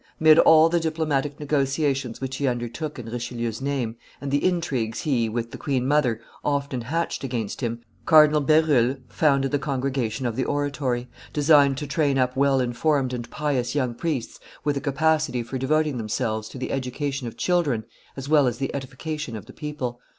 Mid all the diplomatic negotiations which he undertook in Richelieu's name, and the intrigues he, with the queen mother, often hatched against him, Cardinal Berulle founded the con gregation of the Oratory, designed to train up well informed and pious young priests with a capacity for devoting themselves to the education of children as well as the edification of the people.